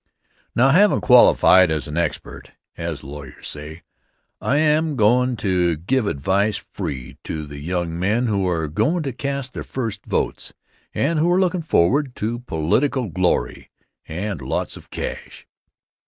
Now, havin' qualified as an expert, as the lawyers say, I am goin' to give advice free to the young men who are goin' to cast their first votes, and who are lookin' forward to political glory and lots of cash.